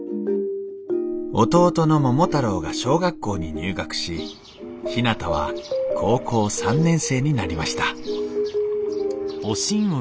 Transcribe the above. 弟の桃太郎が小学校に入学しひなたは高校３年生になりました「おしん！」。